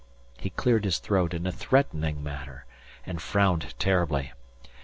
He cleared his throat in a threatening manner and frowned terribly.